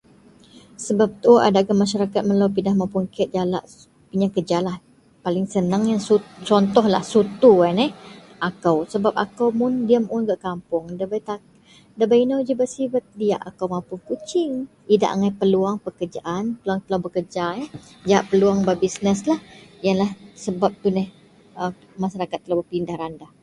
sebab tuu adakah masyarakat melou pindah mapun kek jalak peyieng kerjalah, paling senang ien sut contohlah, sutu ien yeh akou, sebab akou mun diam un gak kapoung dabei tan debei inou ji bak sibet, diak akou mapun kuching, idak angai peluang pekerjaaan peluang telo bekeja eh jahak peluang berbisness ienlah sebab tuneh a masyarakat telou berpindah randah